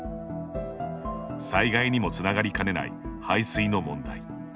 災害にもつながりかねない排水の問題。